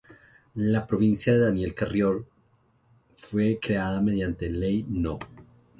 La provincia de Daniel Carrión fue creada mediante Ley No.